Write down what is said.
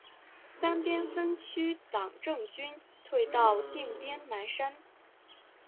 三边分区党政军退到定边南山。